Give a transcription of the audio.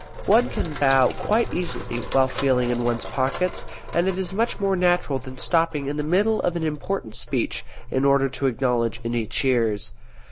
One can bow quite easily while feeling in one's pockets, and it is much more natural than stopping in the middle of an important speech in order to acknowledge any cheers.